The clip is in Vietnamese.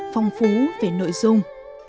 phong phú về nội dung